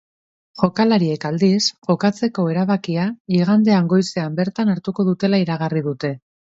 Jokalariek, aldiz, jokatzeko erabakia igandean goizean bertan hartuko dutela iragarri dute.